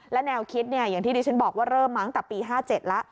และแนวคิดอย่างที่ดิฉันบอกว่าเริ่มมาตั้งแต่ปี๕๗แล้ว